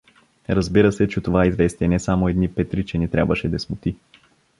Разбира се, че това известие не само едни петричени трябваше да смути.